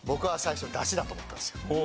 だと思ったんですよ。